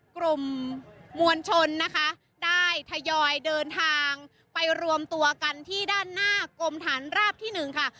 กลุ่มมวลชนนะคะได้ทยอยเดินทางไปรวมตัวกันที่ด้านหน้ากรมฐานราบที่หนึ่งค่ะ